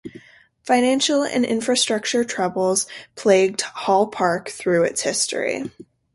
Financial and infrastructure troubles plagued Hall Park throughout its history.